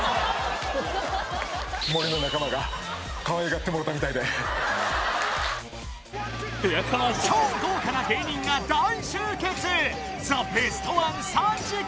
森の仲間がかわいがってもろたみたいで超豪華な芸人が大集結ザ・ベストワン３時間